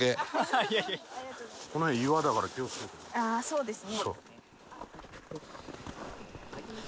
ああそうですね。